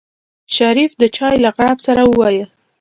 شريف د چای له غړپ سره وويل.